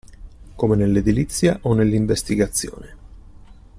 Come nell'edilizia o nell'investigazione.